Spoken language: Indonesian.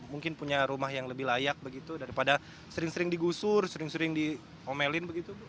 mungkin punya rumah yang lebih layak begitu daripada sering sering digusur sering sering diomelin begitu